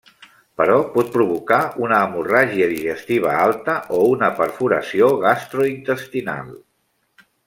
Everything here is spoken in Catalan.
Però pot provocar una hemorràgia digestiva alta o una perforació gastrointestinal.